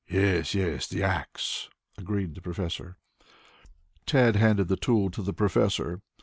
"Yes, yes, the axe," agreed the professor. Tad handed the tool to the professor.